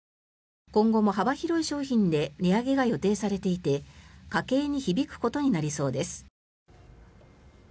今後も幅広い商品で値上げが予定されていて家計に響くことになりそうです。